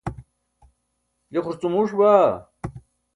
je xurcumuuṣ baa